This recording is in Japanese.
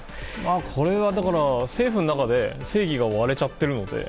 これは、政府の中で正義が割れちゃってるので。